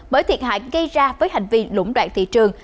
bởi thiệt hại gây ra với hành vi lũng đoạn thị trường